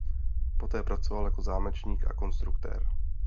Poté pracoval jako zámečník a konstruktér.